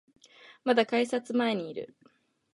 まだ改札前にいる